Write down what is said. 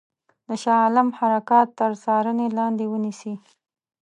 د شاه عالم حرکات تر څارني لاندي ونیسي.